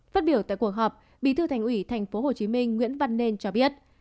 phát biểu tại cuộc họp bí thư thành ủy tp hcm nguyễn văn nên cho biết